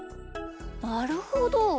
なるほど。